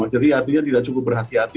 jadi artinya tidak cukup berhati hati